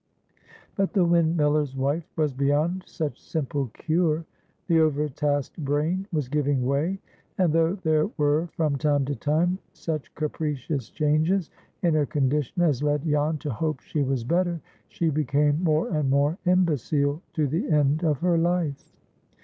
But the windmiller's wife was beyond such simple cure. The overtasked brain was giving way, and though there were from time to time such capricious changes in her condition as led Jan to hope she was better, she became more and more imbecile to the end of her life.